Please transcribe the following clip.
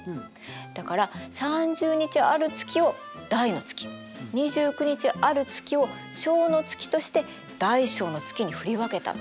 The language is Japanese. だから３０日ある月を大の月２９日ある月を小の月として大小の月に振り分けたの。